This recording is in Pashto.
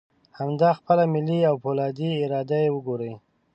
همدا خپله ملي او فولادي اراده یې وګورئ.